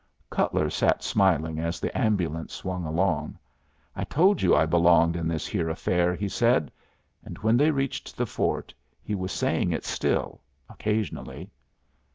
Cutler sat smiling as the ambulance swung along. "I told you I belonged in this here affair," he said. And when they reached the fort he was saying it still, occasionally.